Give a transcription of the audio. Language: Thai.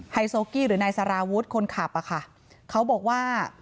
โซกี้หรือนายสารวุฒิคนขับอะค่ะเขาบอกว่า